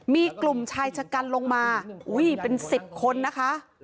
มีกลุ่มชายชะกันลงมาอุ้ยเป็น๑๐คนนะคะ